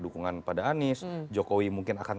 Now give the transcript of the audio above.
dukungan pada anies jokowi mungkin akan